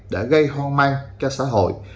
đã gây hoang mang cho xã hội